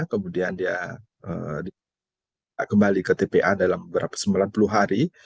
kemudian dia kembali ke tpa dalam beberapa sembilan puluh hari